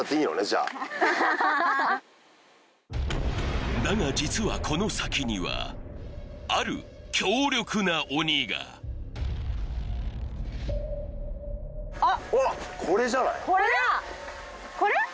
じゃあだが実はこの先にはある強力な鬼があっうわっこれだこれ？